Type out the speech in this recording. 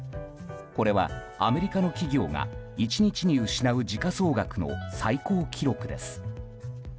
これは、アメリカの企業が１日に失う時価総額の最高記録です。